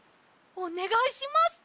おねがいします。